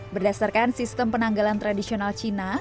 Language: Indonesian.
berdasarkan sistem penanggalan tradisional cina